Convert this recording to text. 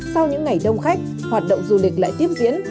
sau những ngày đông khách hoạt động du lịch lại tiếp diễn